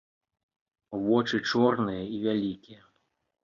Вочы чорныя і вялікія.